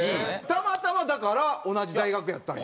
たまたまだから同じ大学やったんや？